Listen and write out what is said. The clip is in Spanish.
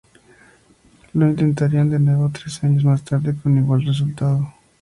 Lo intentarían de nuevo tres años más tarde con igual resultado.